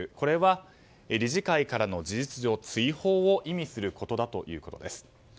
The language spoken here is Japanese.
これは、理事会からの事実上の追放を意味することだということです。